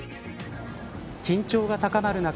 緊張が高まる中